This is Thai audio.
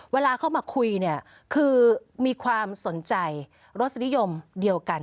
เวลาเข้ามาคุยเนี่ยคือมีความสนใจรสนิยมเดียวกัน